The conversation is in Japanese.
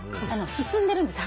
進んでるんです